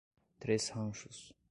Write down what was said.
Três Ranchos